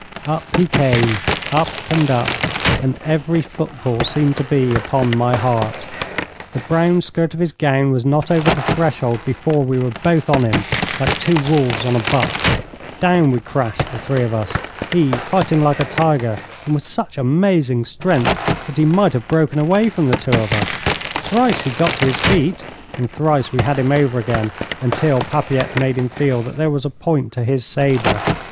Up he came, up and up, and every footfall seemed to be upon my heart. The brown skirt of his gown was not over the threshold before we were both on him, like two wolves on a buck. Down we crashed, the three of us, he fighting like a tiger, and with such amazing strength that he might have broken away from the two of us. Thrice he got to his feet, and thrice we had him over again, until Papilette made him feel that there was a point to his sabre.